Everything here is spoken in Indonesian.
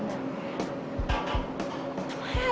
ada masalah apa ya soe